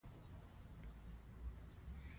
لمسی د کور دښمنۍ ختموي.